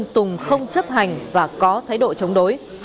tùng không chấp hành và có thái độ chống đối